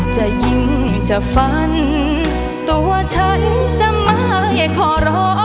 จะยิ่งจะฟันตัวฉันจะไม่ขอรอ